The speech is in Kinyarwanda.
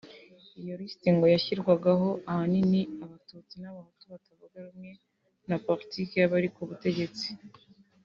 Iyo lisiti ngo yashyirwagaho ahanini abatutsi n’abahutu batavuga rumwe na politiki y’abari ku butegetsi